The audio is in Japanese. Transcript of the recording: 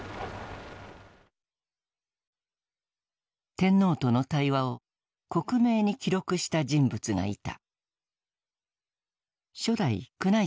天皇との対話を克明に記録した人物がいた。